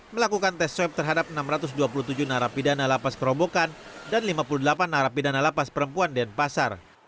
melakukan tes swab terhadap enam ratus dua puluh tujuh narapidana lapas kerobokan dan lima puluh delapan narapidana lapas perempuan denpasar